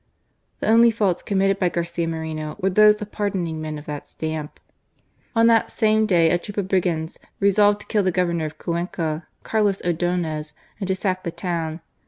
The only faults committed by Garcia Moreno were those of pardoning men of that stamp. On that same day a troop of brigands resolved to kill the Governor of Cuenca, Carlos Ordonez, and to sack the town.